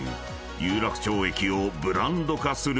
［有楽町駅をブランド化する戦略